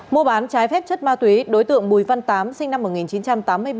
mua bán trái phép chất ma túy đối tượng bùi văn tám sinh năm một nghìn chín trăm tám mươi ba